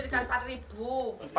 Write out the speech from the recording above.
kalau mau minum